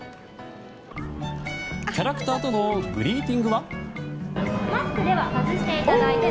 キャラクターとのグリーティングは。